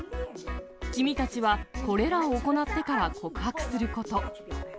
君たちはこれらを行ってから告白すること。